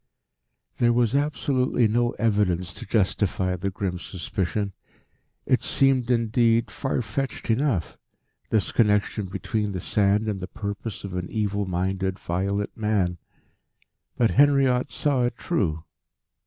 There was absolutely no evidence to justify the grim suspicion. It seemed indeed far fetched enough, this connection between the sand and the purpose of an evil minded, violent man. But Henriot saw it true.